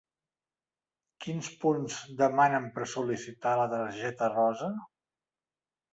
Quins punts demanen per sol·licitar la targeta rosa?